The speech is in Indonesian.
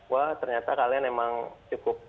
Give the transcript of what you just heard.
wah ternyata kalian emang cukup kuat dengan